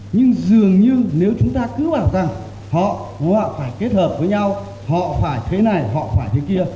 nhưng dường như nếu chúng ta cứ bảo rằng họ phải kết hợp với nhau họ phải thế này họ phải thế kia